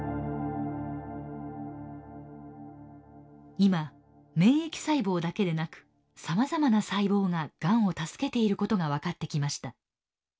今免疫細胞だけでなくさまざまな細胞ががんを助けていることが分かってきました。